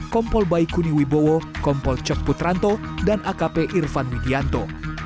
kompol baikuni wibowo kompol cok putranto dan akp irfan widianto